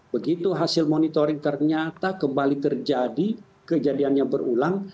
begitu hasil monitoring ternyata kembali terjadi kejadiannya berulang